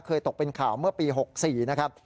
ตกเป็นข่าวเมื่อปี๖๔นะครับ